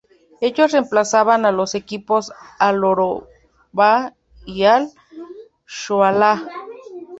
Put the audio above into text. Ellos reemplazan a los equipos Al-Orobah y Al-Shoalah.